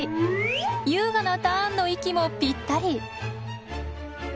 優雅なターンの息もぴったり。